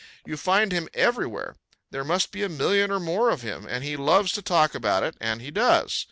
You find him everywhere; there must be a million or more of him; and he loves to talk about it, and he does.